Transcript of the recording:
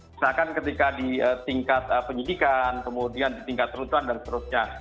misalkan ketika di tingkat penyidikan kemudian di tingkat runtuhan dan seterusnya